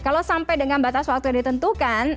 kalau sampai dengan batas waktu yang ditentukan